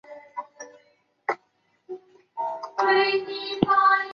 卡斯尔镇区为美国堪萨斯州麦克弗森县辖下的镇区。